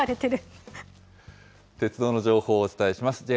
鉄道の情報をお伝えします。